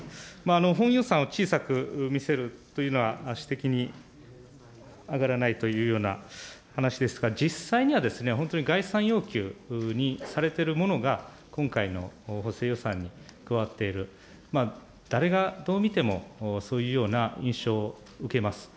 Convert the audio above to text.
本予算を小さく見せるというのは指摘にあがらないというような話ですが、実際には本当に概算要求にされているものが、今回の補正予算に加わっている、誰が、どう見てもそういうような印象を受けます。